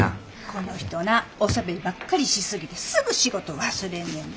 この人なおしゃべりばっかりし過ぎてすぐ仕事忘れんねんで。